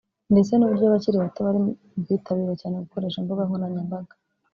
ndetse n’uburyo abakiri bato bari mu bitabira cyane gukoresha imbuga nkoranyambaga